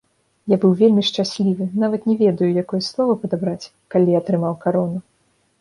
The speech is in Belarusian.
Я быў вельмі шчаслівы, нават не ведаю, якое слова падабраць, калі атрымаў карону.